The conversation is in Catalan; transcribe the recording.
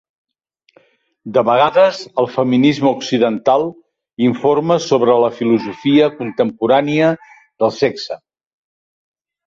De vegades, el feminisme occidental informa sobre la filosofia contemporània del sexe.